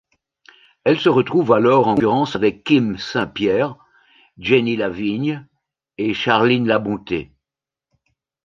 Elle se retrouve alors en concurrence avec Kim St-Pierre, Jenny Lavigne et Charline Labonté.